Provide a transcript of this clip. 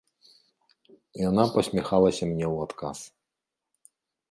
Яна пасміхалася мне ў адказ.